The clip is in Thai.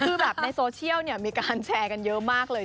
คือแบบในโซเชียลมีการแชร์กันเยอะมากเลย